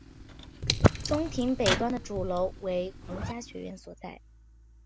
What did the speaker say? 中庭北端的主楼为皇家学院所在。